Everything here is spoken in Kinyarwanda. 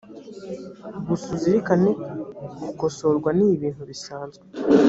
gusa uzirikane gukosorwa ni ibintu bisanzwe